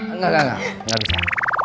enggak enggak enggak enggak bisa